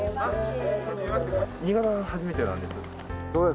新潟は初めてなんです。